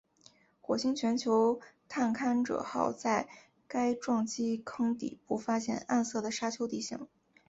火星全球探勘者号在该撞击坑底部发现暗色的沙丘地形。